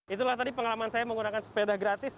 itulah tadi pengalaman saya menggunakan sepeda gratis